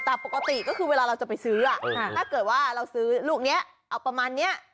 แต่ปกติก็คือเวลาเราจะไปซื้อถ้าเกิดว่าเราซื้อลูกนี้เอาประมาณนี้